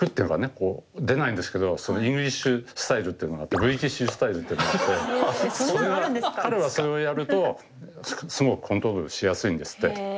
こう出ないんですけどイングリッシュスタイルっていうのがあってブリティッシュスタイルっていうのがあってそれが彼はそれをやるとすごいコントロールしやすいんですって。